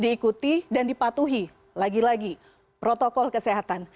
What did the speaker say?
diikuti dan dipatuhi lagi lagi protokol kesehatan